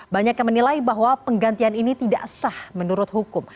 banyak yang menilai bahwa penggantian ini tidak sah menurut hukum